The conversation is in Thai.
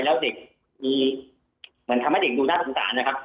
แล้วมันทำให้เด็กดูหน้าสงสัยนะครับ